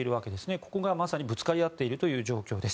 ここがまさにぶつかり合っているという状況です。